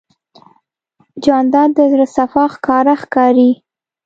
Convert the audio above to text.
جانداد د زړه صفا ښکاره ښکاري.